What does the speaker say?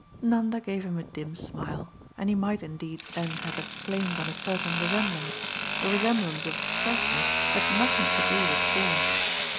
Nanda gave him a dim smile, and he might indeed then have exclaimed on a certain resemblance, a resemblance of expression that had nothing to do with form.